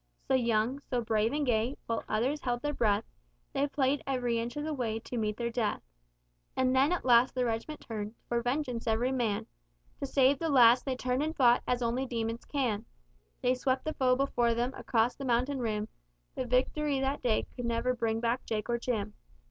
So young, so brave and gay, while others held their breath, They played ev'ry inch of the way to meet their death; And then at last the reg'ment turned, for vengeance ev'ry man To save the lads they turned and fought as only demons can; They swept the foe before them across the mountain rim, But victory that day could never bring back Jake or Jim.